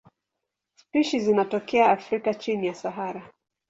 Spishi za zinatokea Afrika chini ya Sahara.